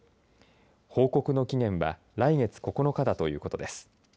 報告の期限は来月９日だということです。